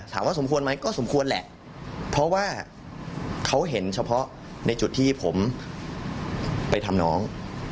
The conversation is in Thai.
สมควรไหมก็สมควรแหละเพราะว่าเขาเห็นเฉพาะในจุดที่ผมไปทำน้อง